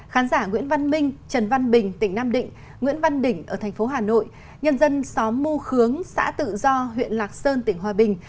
khán giả nguyễn văn minh trần văn bình tỉnh nam định nguyễn văn đỉnh tỉnh hà nội nhân dân xóm mưu khướng xã tự do huyện lạc sơn tỉnh hòa bình